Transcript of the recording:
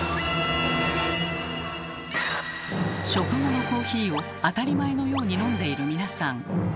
食後のコーヒーを当たり前のように飲んでいる皆さん。